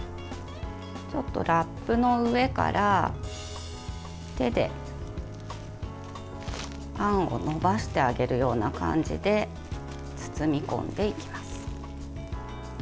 ちょっとラップの上から手であんをのばしてあげるような感じで包み込んでいきます。